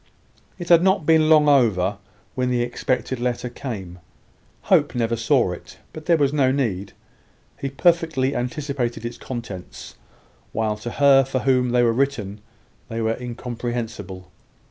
It had not been long over when the expected letter came. Hope never saw it; but there was no need: he perfectly anticipated its contents, while to her for whom they were written they were incomprehensible.